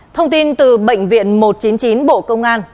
thông tin từ bệnh viện một trăm chín mươi chín bộ công an